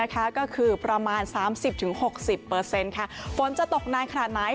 ก็คือประมาณ๓๐๖๐ฝนจะตกนานขนาดไหน